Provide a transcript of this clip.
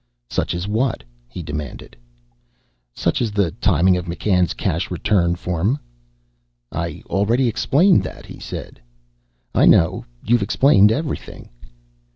"Such as what?" he demanded. "Such as the timing of McCann's cash return form." "I already explained that," he said. "I know. You've explained everything."